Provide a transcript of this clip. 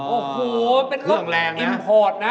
โอ้โหเป็นเรื่องอิมพอร์ตนะ